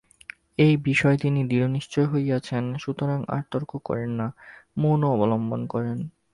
এই বিষয় তিনি দৃঢ়নিশ্চয় হইয়াছেন, সুতরাং আর তর্ক করেন না মৌন অবলম্বন করেন।